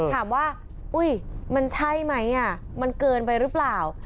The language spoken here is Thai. ถามว่าอุ๊ยมันใช่ไหมมันเกินไปหรือเปล่า